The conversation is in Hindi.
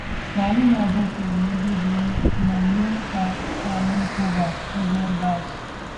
लालू यादव के लिए भी जेल मैनुअल का पालन होगा: रघुवर दास